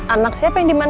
anak siapa yang dimana